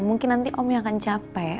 mungkin nanti om yang akan capek